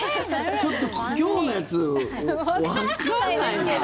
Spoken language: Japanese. ちょっと今日のやつわかんないな！